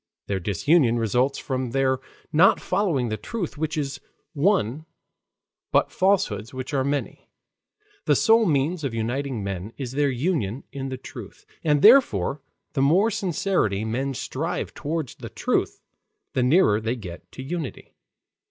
Their disunion results from their not following the truth which is one, but falsehoods which are many. The sole means of uniting men is their union in the truth. And therefore the more sincerely men strive toward the truth, the nearer they get to unity.